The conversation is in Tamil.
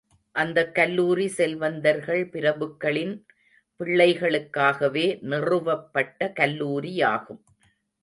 அந்தக் கல்லூரி, செல்வந்தர்கள், பிரபுக்களின் பிள்ளைகளுக்காகவே நிறுவப்பட்ட கல்லூரியாகும்.